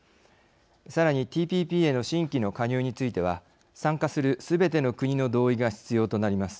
さらにＴＰＰへの新規の加入については参加するすべての国の同意が必要となります。